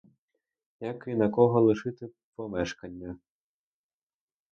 Як і на кого лишити помешкання!